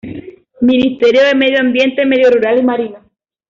Ministerio de Medio Ambiente, Medio Rural y Marino.